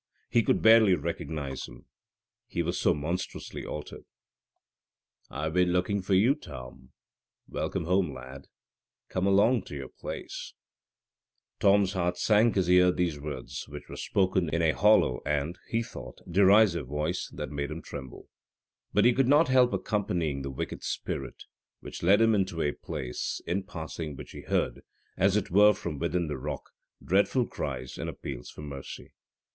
He could barely recognise him, he was so monstrously altered. "I've been looking for you, Tom. Welcome home, lad; come along to your place." Tom's heart sank as he heard these words, which were spoken in a hollow and, he thought, derisive voice that made him tremble. But he could not help accompanying the wicked spirit, who led him into a place, in passing which he heard, as it were from within the rock, deadful cries and appeals for mercy.